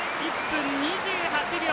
１分２８秒。